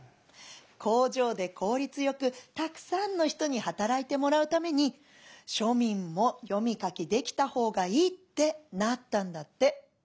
工場で効率よくたくさんの人に働いてもらうために庶民も読み書きできたほうがいいってなったんだって」。